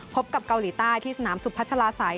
กับเกาหลีใต้ที่สนามสุพัชลาศัย